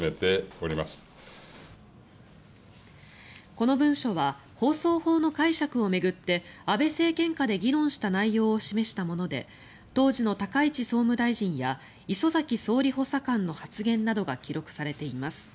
この文書は放送法の解釈を巡って安倍政権下で議論した内容を示したもので当時の高市総務大臣や礒崎総理補佐官の発言などが記録されています。